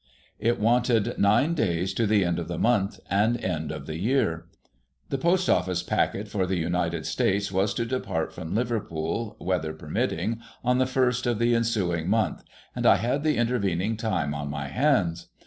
It wanted nine days to the end of the month, and end of the year. The Post office packet for the United States was to dcj)art from Liverpool, weather permitting, on the first of the ensuing month, and I had the intervening time on my hands.